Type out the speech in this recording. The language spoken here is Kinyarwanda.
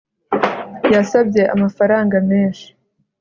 Yasabye amafaranga menshi